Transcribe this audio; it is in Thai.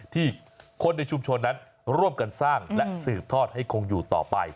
ที่คนในชุมชนนั้นร่วมกันสร้างและสืบทอดให้คงอยู่ต่อไป